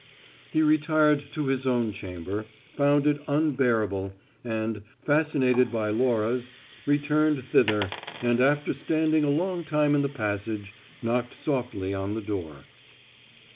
He retired to his own chamber, found it unbearable, and, fascinated by Laura's, returned thither; and, after standing a long time in the passage, knocked softly on the door.